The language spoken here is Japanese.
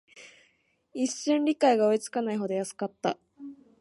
一瞬、理解が追いつかないほど安かった